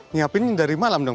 nyiapin dari malam dong